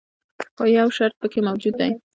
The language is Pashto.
خو یو شرط پکې موجود دی.